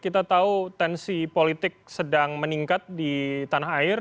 kita tahu tensi politik sedang meningkat di tanah air